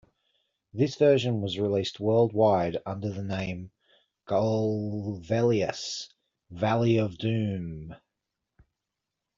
This version was released worldwide under the name "Golvellius: Valley of Doom".